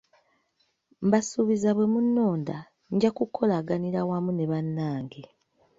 Mbasuubizza bwe munnonda, nja kukolaganira wamu ne bannange.